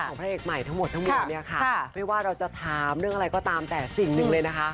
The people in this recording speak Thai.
เงินเด็กใหม่ทั้งหมดทั้งหมดแม้ว่าเราจะถามเรื่องอะไรก็ตามแต่สิ่งหนึ่งเลย